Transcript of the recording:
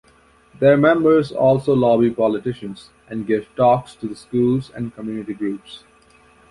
Their members also lobby politicians, and give talks to schools and community groups.